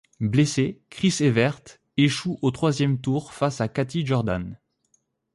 Blessée, Chris Evert échoue au troisième tour face à Kathy Jordan.